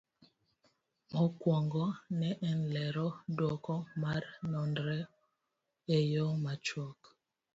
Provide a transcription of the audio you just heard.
Mokwongo, ne en lero duoko mar nonro e yo machuok